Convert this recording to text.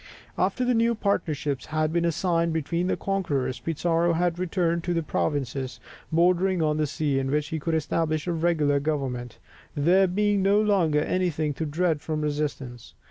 After the new partnership had been signed between the conquerors (1534), Pizarro had returned to the provinces bordering on the sea, in which he could establish a regular government, there being no longer anything to dread from resistance.